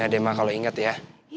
iya deh ma kalo inget ya